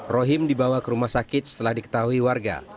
rohim dibawa ke rumah sakit setelah diketahui warga